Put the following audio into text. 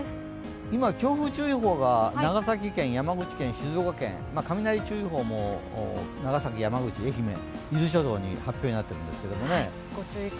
今、強風注意報が長崎県、山口県、静岡県雷注意報も長崎、山口、愛媛、伊豆諸島に発表になっているんですけれどもね。